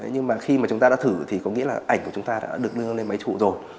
nhưng mà khi mà chúng ta đã thử thì có nghĩa là ảnh của chúng ta đã được đưa lên máy chủ rồi